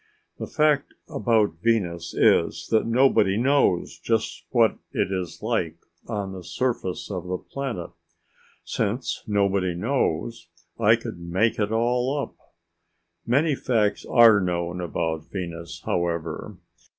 The fact about Venus is that nobody knows just what it is like on the surface of the planet. Since nobody knows, I could make it all up. Many facts are known about Venus, however.